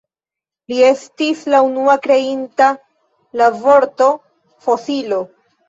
Li estis la unua kreinta la vorto Fosilio.